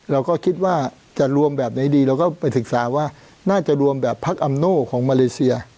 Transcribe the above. เราก็คิดว่าจะรวมแบบไหนดีเราก็ไปศึกษาว่าน่าจะรวมแบบพักอำโน่ของมาเลเซีย